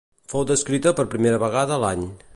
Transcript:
Fou descrita per primera vegada l'any.